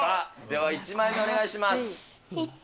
では１枚目お願いします。